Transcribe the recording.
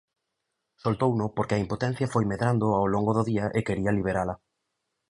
Soltouno porque a impotencia foi medrando ao longo do día e quería liberala.